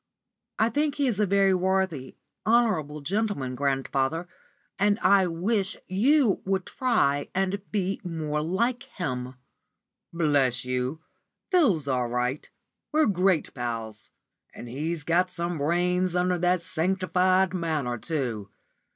"I think he is a very worthy, honourable gentleman, grandfather, and I wish you would try and be more like him." "Bless you, Phil's all right. We're great pals. And he's got some brains under that sanctified manner, too.